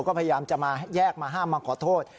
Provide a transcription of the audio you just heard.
ก็พยายามจะมาแยกมาห้ามมาขอโทษ